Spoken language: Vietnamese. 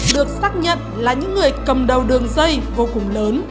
được xác nhận là những người cầm đầu đường dây vô cùng lớn